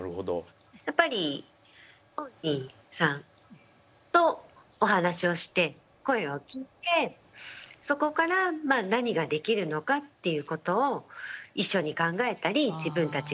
やっぱり本人さんとお話をして声を聞いてそこから何ができるのかっていうことを一緒に考えたり自分たちが。